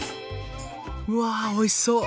うわおいしそう！